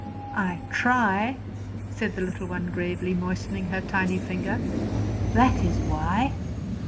"I try," said the little one gravely, moistening her tiny finger. "That is why."